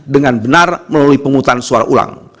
dengan benar melalui penghutang suara ulang